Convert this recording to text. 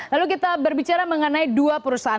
lalu kita berbicara mengenai dua perusahaan